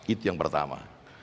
itu yang pertama